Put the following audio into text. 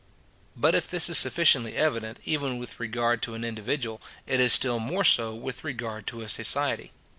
But if this is sufficiently evident, even with regard to an individual, it is still more so with regard to a society.